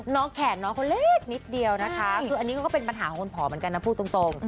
แขนน้องเขาเล็กนิดเดียวนะคะคืออันนี้ก็เป็นปัญหาของคุณผอเหมือนกันนะพูดตรง